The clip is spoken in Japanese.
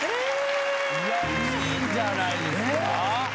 いやいいんじゃないですか。